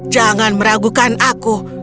jangan meragukan aku